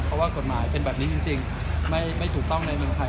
เพราะว่ากฎหมายเป็นแบบนี้จริงไม่ถูกต้องในเมืองไทย